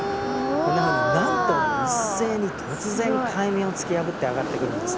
こんなふうに何頭も一斉に突然海面を突き破って上がってくるんです。